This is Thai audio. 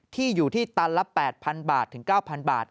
ที่อยู่ที่ตันละ๘๐๐บาทถึง๙๐๐บาท